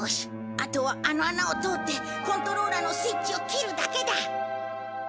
あとはあの穴を通ってコントローラーのスイッチを切るだけだ！